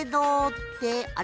ってあれ？